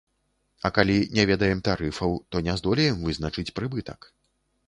А калі не ведаем тарыфаў, то не здолеем вызначыць прыбытак.